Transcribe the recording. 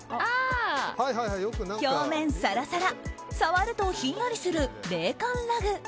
表面サラサラ触るとひんやりする冷感ラグ。